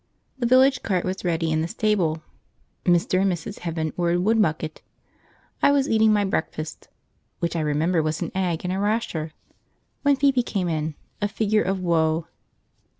The village cart was ready in the stable; Mr. and Mrs. Heaven were in Woodmucket; I was eating my breakfast (which I remember was an egg and a rasher) when Phoebe came in, a figure of woe.